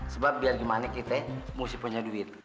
sebab biar gimana kita mesti punya duit